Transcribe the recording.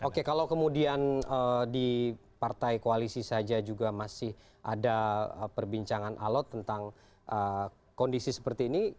oke kalau kemudian di partai koalisi saja juga masih ada perbincangan alot tentang kondisi seperti ini